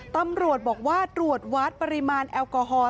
ตำรวจบอกว่าตรวจวัดปริมาณแอลกอฮอล